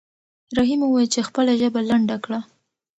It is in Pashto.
رحیم وویل چې خپله ژبه لنډه کړه.